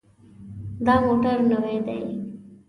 دا موټر نوی دی.